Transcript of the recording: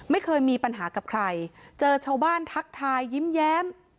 ไม่เคยมีปัญหากับใครเจอชาวบ้านทักทายยิ้มแย้ม